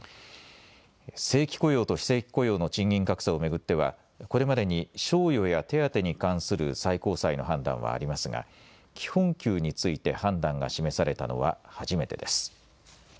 正規雇用と非正規雇用の賃金格差を巡ってはこれまでに賞与や手当に関する最高裁の判断はありますが基本給について判断が示されたのは初めてです。